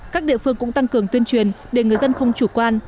các địa phương cũng tăng cường tuyên truyền để người dân không chủ quan